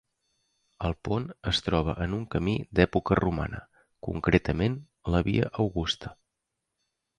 El pont es troba en un camí d'època romana, concretament la via Augusta.